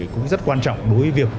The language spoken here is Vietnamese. cũng rất quan trọng đối với việc